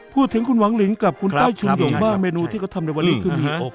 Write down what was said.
พูดถึงคุณหวังลิงกับคุณต้อยชุมหยงบ้างเมนูที่เขาทำในวันนี้คือมี